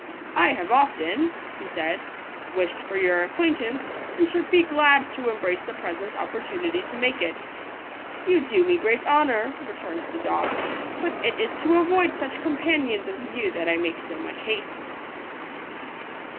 " I have often/' he said, " wished for your acquaintance, and should be glad to embrace the present opportunity to make it ."—" You do me great honour," returned the dog ;" but it is to avoid such companions as you that I make so much haste."